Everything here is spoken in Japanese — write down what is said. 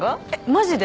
マジで？